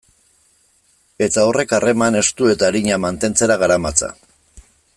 Eta horrek harreman estu eta arina mantentzera garamatza.